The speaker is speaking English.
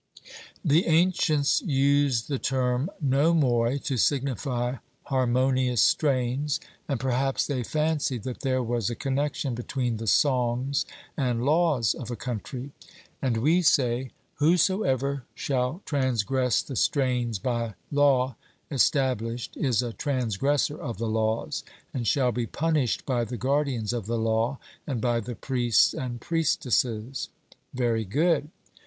The ancients used the term nomoi to signify harmonious strains, and perhaps they fancied that there was a connexion between the songs and laws of a country. And we say Whosoever shall transgress the strains by law established is a transgressor of the laws, and shall be punished by the guardians of the law and by the priests and priestesses. 'Very good.'